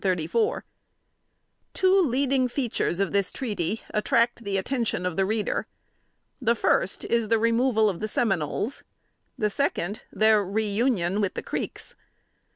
Two leading features of this treaty attract the attention of the reader. The first is the removal of the Seminoles; second, their reunion with the Creeks.